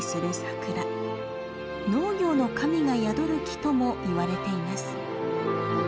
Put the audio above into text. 農業の神が宿る木ともいわれています。